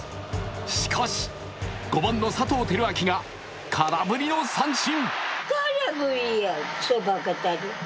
しかし５番の佐藤輝明が空振りの三振。